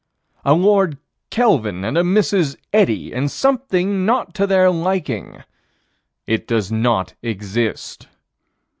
A Lord Kelvin and a Mrs. Eddy, and something not to their liking it does not exist.